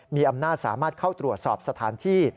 มีอำนาจสามารถเข้าตรวจสอบสถานที่